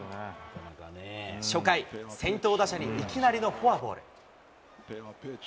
初回、先頭打者にいきなりのフォアボール。